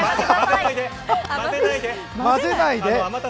混ぜないで。